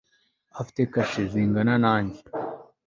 afite kashe zingana nkanjye